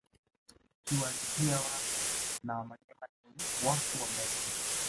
Kiuhalisia Waha na Wamanyema ni watu wamoja